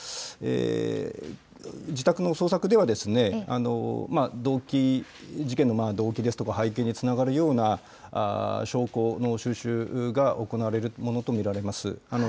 自宅の捜索では、事件の動機ですとか、背景につながるような証拠の収集が行われるものと見られます。